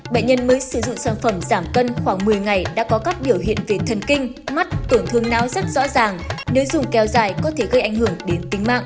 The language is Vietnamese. bệnh nhân mới sử dụng sản phẩm giảm cân khoảng một mươi ngày đã có các biểu hiện về thần kinh mắt tổn thương não rất rõ ràng nếu dùng kéo dài có thể gây ảnh hưởng đến tính mạng